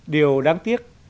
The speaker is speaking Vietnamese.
điều đáng tiếc